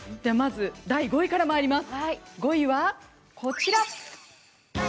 第５位からまいります。